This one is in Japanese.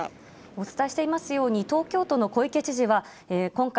お伝えしていますように、東京都の小池知事は、今回、